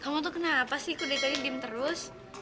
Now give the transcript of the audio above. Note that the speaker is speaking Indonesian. kamu tuh kenapa sih kudek dek dim terus